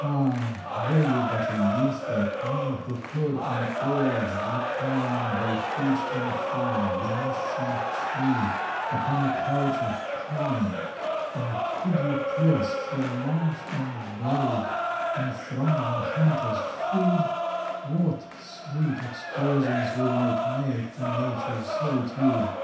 Ah, were you but a youth, like me, Who could, unawed, recline By huge camp fire, beneath some tree, Upon a couch of pine; And could you press through marsh and brake And thrive on hunter's food, What sweet excursions we might make To nature's solitude!